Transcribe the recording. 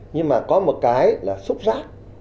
nhưng mà có một cái là xúc giác